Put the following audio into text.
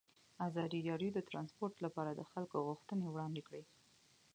ازادي راډیو د ترانسپورټ لپاره د خلکو غوښتنې وړاندې کړي.